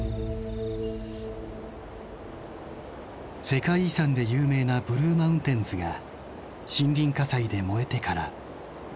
世界遺産で有名なブルー・マウンテンズが森林火災で燃えてから６か月がたった。